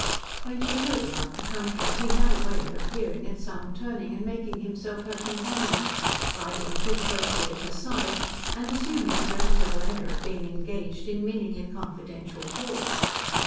When she rode about the country, he had a way of appearing at some turning and making himself her companion, riding too closely at her side, and assuming a noticeable air of being engaged in meaningly confidential talk.